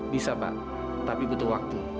bisa pak tapi butuh waktu